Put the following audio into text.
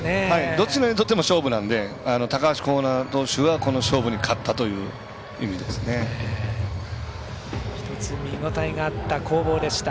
どちらにとっても勝負なんで、高橋光成投手はこの勝負に勝ったという１つ、見応えがあった攻防でした。